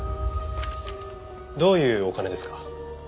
どういうお金ですか？